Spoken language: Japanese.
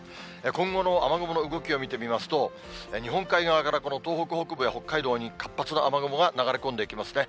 今後の雨雲の動きを見てみますと、日本海側からこの東北北部や北海道に、活発な雨雲が流れ込んでいきますね。